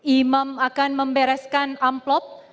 imam akan membereskan amplop